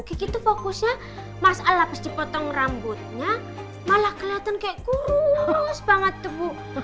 kiki itu fokusnya masalah pas dipotong rambutnya malah kelihatan kayak kurus banget tuh bu